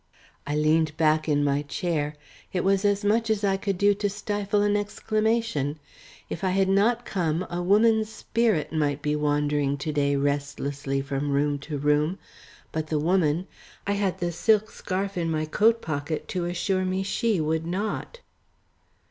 I leaned back in my chair; it was as much as I could do to stifle an exclamation. If I had not come, a woman's spirit might be wandering to day restlessly from room to room, but the woman I had the silk scarf in my coat pocket to assure me she would not.